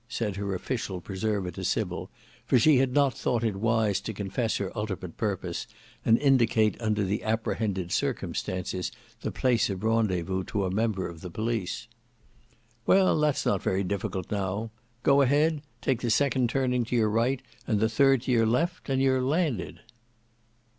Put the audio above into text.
said her official preserver to Sybil, for she had not thought it wise to confess her ultimate purpose, and indicate under the apprehended circumstances the place of rendezvous to a member of the police. "Well; that's not very difficult now. Go a head; take the second turning to your right, and the third to your left, and you're landed."